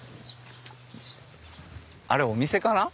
あれお店かな？